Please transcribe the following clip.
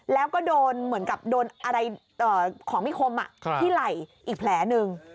แล้วก็โดนเหมือนกับโดนอะไรของมีคมที่ไหล่อีกแผลหนึ่ง